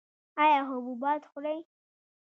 ایا حبوبات خورئ؟